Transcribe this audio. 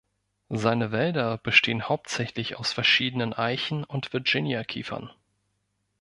Seine Wälder bestehen hauptsächlich aus verschiedenen Eichen und Virginia-Kiefern.